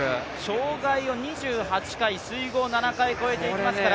障害を２８回、水濠７回越えていきますから。